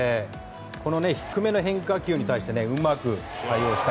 低めの変化球に対してうまく対応した。